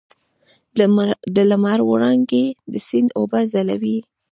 د لمر وړانګې د سیند اوبه ځلوي.